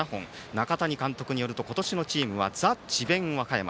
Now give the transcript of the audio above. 中谷監督によると今年のチームはザ・智弁和歌山。